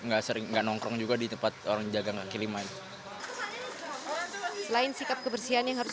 nggak sering nggak nongkrong juga di tempat orang jaga kaki lima selain sikap kebersihan yang harus